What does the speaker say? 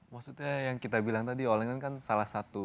maksudnya yang kita bilang tadi all england kan salah satu